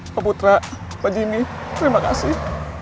pak putra pak jimmy terima kasih